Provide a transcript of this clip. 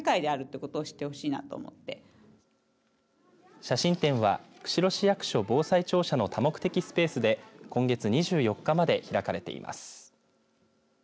写真展は釧路市役所防災庁舎の多目的スペースで今月２４日まで開かれています。